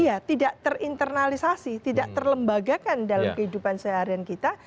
iya tidak terinternalisasi tidak terlembagakan dalam kehidupan seharian kita